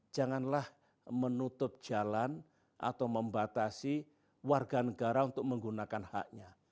janganlah menutup jalan atau membatasi warga negara untuk menggunakan haknya